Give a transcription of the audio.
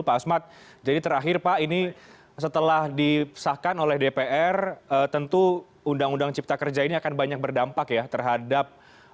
pak asmat jadi terakhir pak ini setelah disahkan oleh dpr tentu undang undang cipta kerja ini akan banyak berdampak ya terhadap